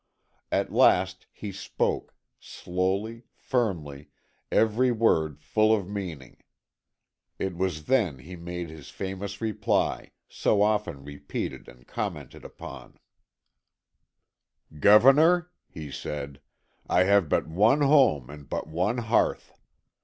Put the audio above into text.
At last he spoke, slowly, firmly, every word full of meaning. It was then he made his famous reply, so often repeated and commented upon: "Governor," he said, "I have but one home and but one hearth.